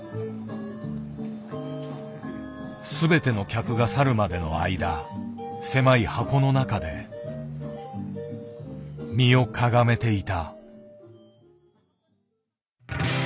全ての客が去るまでの間狭い箱の中で身をかがめていた。